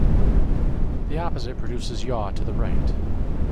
The opposite produces yaw to the right.